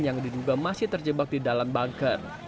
yang diduga masih terjebak di dalam bangker